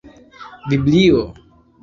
biblio